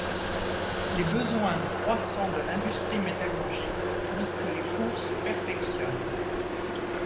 Les besoins croissants de l’industrie métallurgique font que les fours se perfectionnent.